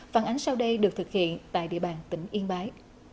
phản ánh sau đây được thực hiện tại địa bàn tỉnh yên bái